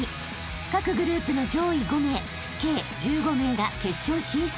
［各グループの上位５名計１５名が決勝進出となります］